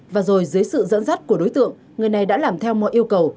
và rồi dưới sự dẫn dắt của đối tượng người này đã làm theo mọi yêu cầu